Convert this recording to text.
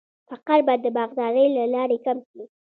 فقر به د باغدارۍ له لارې کم شي.